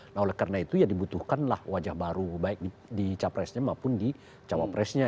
nah oleh karena itu ya dibutuhkanlah wajah baru baik di capresnya maupun di cawapresnya